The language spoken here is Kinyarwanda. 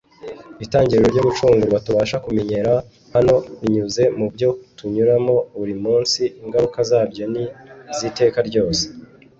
. Itangiriro ryo gucungurwa tubasha kumenyera hano binyuze mu byo tunyuramo buri munsi. Ingaruka zabyo ni iz’iteka ryose.